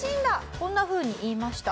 こんなふうに言いました。